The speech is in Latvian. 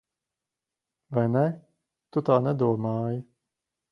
Vai ne? Tu tā nedomāji.